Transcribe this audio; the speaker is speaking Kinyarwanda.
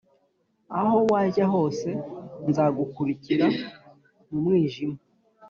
aho wajya hose nzagukurikira mu mwijima